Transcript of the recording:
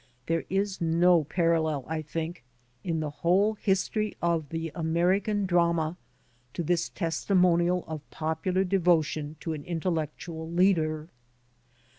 There is no parallel, I think, in the whole history of the American drama to this testimonial of popular devotion to an intellectual leader.